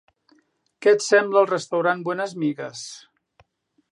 Què et sembla el restaurant Buenas Migas?